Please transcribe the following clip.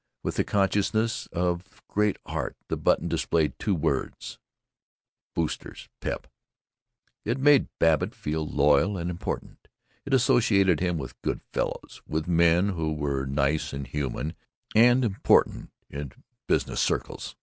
With the conciseness of great art the button displayed two words: "Boosters Pep!" It made Babbitt feel loyal and important. It associated him with Good Fellows, with men who were nice and human, and important in business circles.